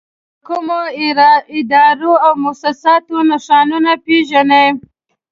د کومو ادارو او مؤسساتو نښانونه پېژنئ؟